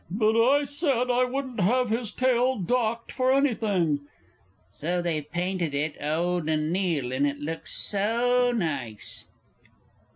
but I said I wouldn't have his tail docked for anything ... so they've painted it eau de Nil, and it looks so nice!